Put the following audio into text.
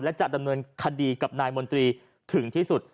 และจะดำเนินคดีกับนายมนตรีถึงที่สุด